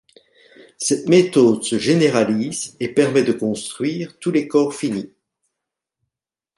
Cette méthode se généralise et permet de construire tous les corps finis.